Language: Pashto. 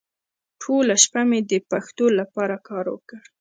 ټوله شپه مې د پښتو لپاره کار وکړ.